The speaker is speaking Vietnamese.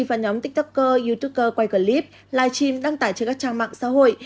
và nhóm tiktoker yoututer quay clip live stream đăng tải trên các trang mạng xã hội